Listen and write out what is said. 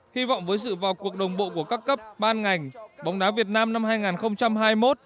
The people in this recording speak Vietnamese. hy vọng với sự vào cuộc đồng bộ của các cấp ban ngành bóng đá việt nam năm hai nghìn hai mươi một